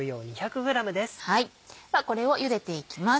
ではこれをゆでていきます。